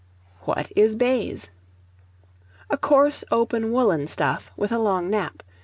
What is Baize? A coarse, open, woollen stuff, with a long nap.